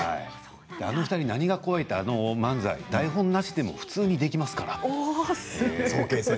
あの２人何が怖いってあの漫才台本なしでも普通にできますから。